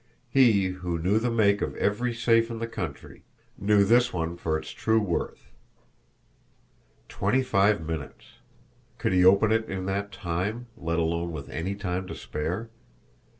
He, who knew the make of every safe in the country, knew this one for its true worth. Twenty five minutes! Could he open it in that time, let alone with any time to spare!